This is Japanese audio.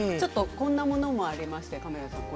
こんなものもありました。